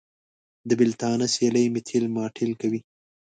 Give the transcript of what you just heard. د بېلتانه سیلۍ مې تېل ماټېل کوي.